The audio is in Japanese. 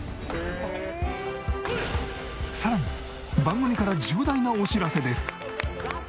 さらに番組から重大なお知らせです。